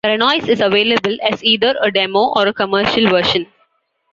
Renoise is available as either a demo or a commercial version.